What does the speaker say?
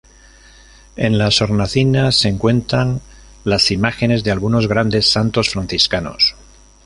En las hornacinas se encuentran las imágenes de algunos grandes santos franciscanos.